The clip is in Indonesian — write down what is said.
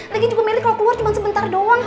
lagi meli keluar cuma sebentar doang